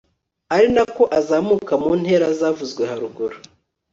ari nako azamuka mu ntera zavuzwe haruguru